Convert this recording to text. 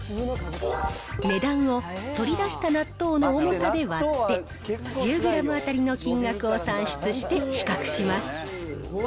値段を取り出した納豆の重さで割って、１０グラム当たりの金額を算出して、比較します。